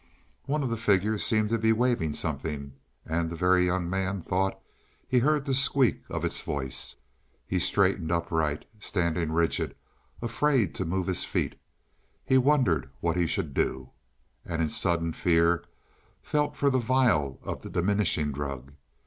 One of the figures seemed to be waving something, and the Very Young Man thought he heard the squeak of its voice. He straightened upright, standing rigid, afraid to move his feet. He wondered what he should do, and in sudden fear felt for the vial of the diminishing drug.